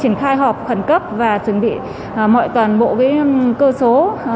triển khai họp khẩn cấp và chuẩn bị mọi toàn bộ cơ số